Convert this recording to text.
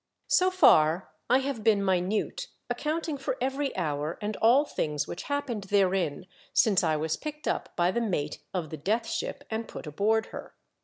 So far I have been minute, accounting for every hour and all things which happened therein since I was picked up by the mate of the Death Ship and put aboard her.